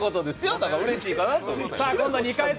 だからうれしいかなと思って。